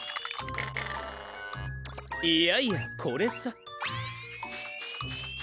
いやいやこれさ。